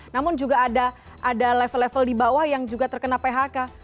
namun juga ada level level di bawah yang juga terkena phk